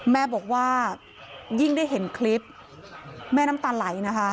แม่บอกว่ายิ่งได้เห็นคลิปแม่น้ำตาไหลนะคะ